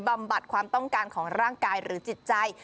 บำบัดความต้องการของร่างกายหรือจิตใจ